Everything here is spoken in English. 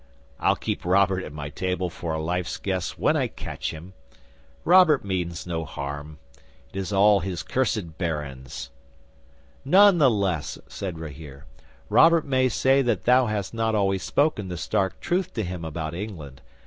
"I'll keep Robert at my table for a life's guest when I catch him. Robert means no harm. It is all his cursed barons." '"None the less," said Rahere, "Robert may say that thou hast not always spoken the stark truth to him about England.